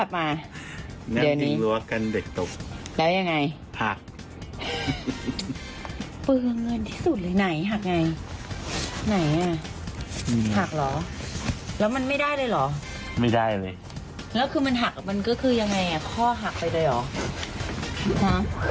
แล้วมันไม่ได้เลยเหรอไม่ได้เลยแล้วคือมันหักมันก็คือยังไงอ่ะข้อหักไปเลยเหรอ